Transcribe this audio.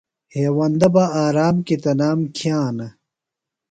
ہیوندہ بہ آرام کیۡ تنام کِھیانہ۔